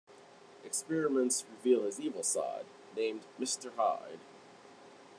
Experiments reveal his evil side, named Mr. Hyde.